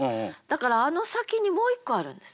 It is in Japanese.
だからあの先にもう一個あるんです。